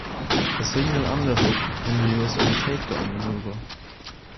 A single underhook can be used as a takedown maneuver.